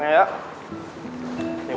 biar lo yakin sama gue